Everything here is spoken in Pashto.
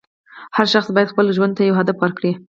هر شخص باید خپل ژوند ته یو هدف ورکړي.